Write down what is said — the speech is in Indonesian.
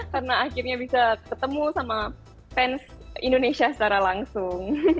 karena akhirnya bisa ketemu sama fans indonesia secara langsung